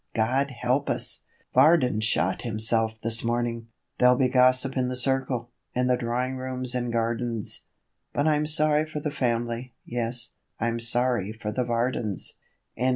God help us! Varden shot himself this morning!... There'll be gossip in the 'circle,' in the drawing rooms and gardens; But I'm sorry for the family; yes I'm sorry for the Vardens.